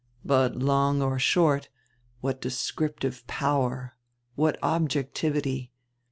"But long or short, what descriptive power, what objectivity!